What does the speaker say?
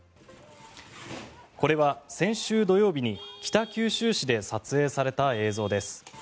これは先週土曜日に北九州市で撮影された映像です。